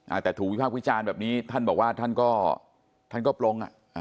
อ่าแต่ถูกวิภาควิชาญแบบนี้ท่านบอกว่าท่านก็ท่านก็ปลงอ่ะ